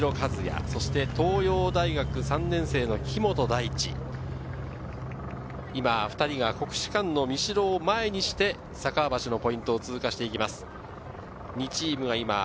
東洋大学３年生の木本大地、２人が国士舘の後ろを前にして酒匂橋のポイントを通過していきます。